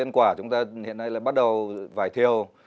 cái quả chúng ta hiện nay là bắt đầu vải thiêu